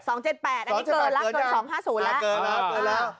๒๗๘อันนี้เกินละเกิน๒๕๐แล้ว